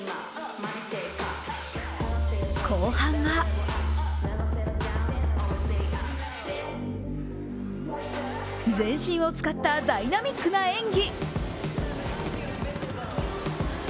後半は全身を使ったダイナミックな演技。